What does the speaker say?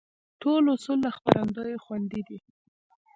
ټول اصول له خپرندوى خوندي دي.